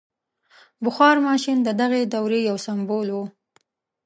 • بخار ماشین د دغې دورې یو سمبول و.